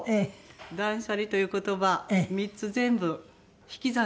断捨離という言葉３つ全部引き算でしょ。